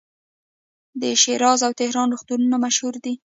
د شیراز او تهران روغتونونه مشهور دي.